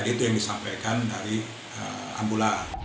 itu yang disampaikan dari ambulan